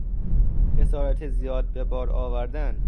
خسارت زیاد به بار آوردن